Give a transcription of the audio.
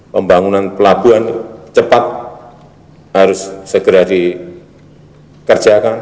pembangunan pelabuhan cepat harus segera dikerjakan